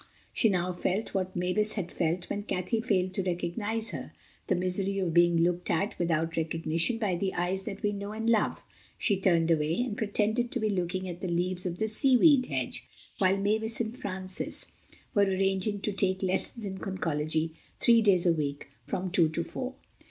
She now felt what Mavis had felt when Cathay failed to recognize her—the misery of being looked at without recognition by the eyes that we know and love. She turned away, and pretended to be looking at the leaves of the seaweed hedge while Mavis and Francis were arranging to take lessons in Conchology three days a week, from two to four.